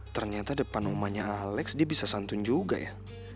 ternyata depan rumahnya alex dia bisa santun juga ya